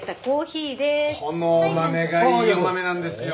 このお豆がいいお豆なんですよ。